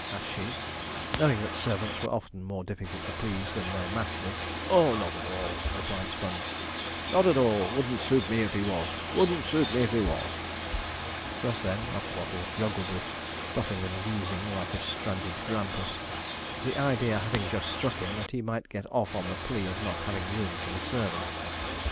asked she, knowing that servants were often more difficult to please than their masters. 'Oh, not at all,' replied Sponge; 'not at all wouldn't suit me if he was wouldn't suit me if he was.' Just then up waddled Jogglebury, puffing and wheezing like a stranded grampus; the idea having just struck him that he might get off on the plea of not having room for the servant.